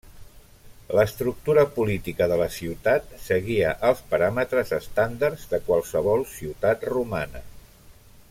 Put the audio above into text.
L'estructura política de la ciutat seguia els paràmetres estàndards de qualsevol ciutat romana.